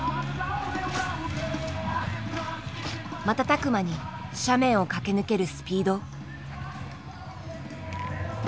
瞬く間に斜面を駆け抜けるスピード。